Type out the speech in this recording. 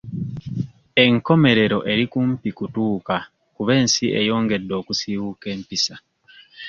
Enkomerero eri kumpi kutuuka kuba ensi eyongedde okusiiwuuka empisa.